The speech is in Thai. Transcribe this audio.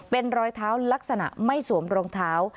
เป็นรอยเท้าลักษณะไม่สวมรองเท้า